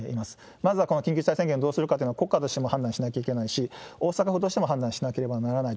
まずはこの緊急事態宣言をどうするかというのは国家としても判断しなければいけないし、大阪府としても判断しなければならない。